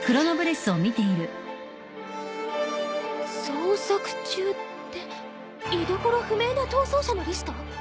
「捜索中」って居所不明な逃走者のリスト？